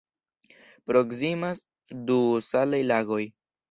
Proksimas du salaj lagoj.